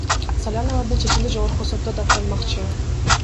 Салянова бул чечимди Жогорку сотто даттанмакчы.